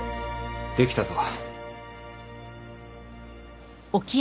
できたぞ。